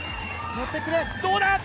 どうだ。